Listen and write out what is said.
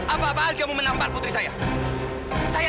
apa apaan kamu menampar putri saya